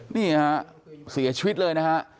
นี่ฮะเสียชีวิตเลยนะฮะ